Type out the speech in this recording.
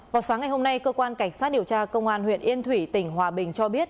vào sáng ngày hôm nay cơ quan cảnh sát điều tra công an huyện yên thủy tỉnh hòa bình cho biết